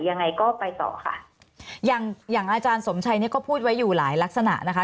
ยังไงก็ไปต่อค่ะอย่างอย่างอาจารย์สมชัยนี่ก็พูดไว้อยู่หลายลักษณะนะคะ